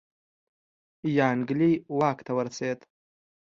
یانګلي واک ته ورسېد.